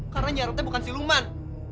karena nyi arum tuh bukan siluman